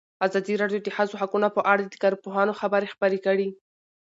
ازادي راډیو د د ښځو حقونه په اړه د کارپوهانو خبرې خپرې کړي.